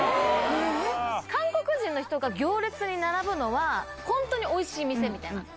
韓国人の人が行列に並ぶのは、本当においしい店みたいな。